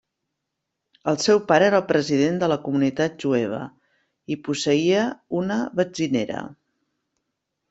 El seu pare era el president de la comunitat jueva i posseïa una benzinera.